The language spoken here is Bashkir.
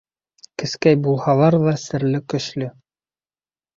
— Кескәй булһалар ҙа серле көслө.